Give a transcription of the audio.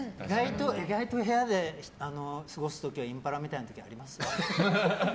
意外と部屋で過ごす時はインパラみたいな時ありますよ。